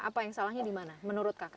apa yang salahnya dimana menurut kaka